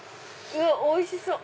おいしそう！